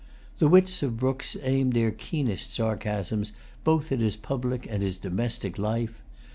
The wits of Brooks's aimed their keenest sarcasms both at his public and at his domestic life.